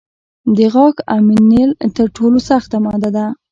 د غاښ امینل تر ټولو سخته ماده ده.